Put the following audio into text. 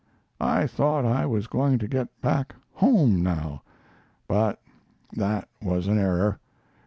I thought I was going to get back home, now, but that was an error.